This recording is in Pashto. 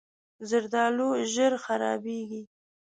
زردالو ژر خرابېږي.